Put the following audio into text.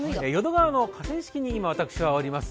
淀川の河川敷に今、私はおります。